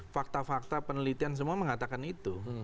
fakta fakta penelitian semua mengatakan itu